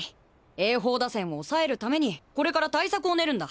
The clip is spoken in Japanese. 英邦打線をおさえるためにこれから対策を練るんだ。